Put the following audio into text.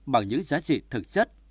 bằng những giá trị thực chất